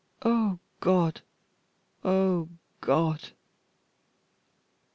O God! O God!"